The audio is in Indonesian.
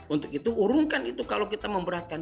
untuk itu urungkan itu kalau kita memberatkan